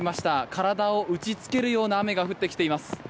体を打ちつけるような雨が降ってきています。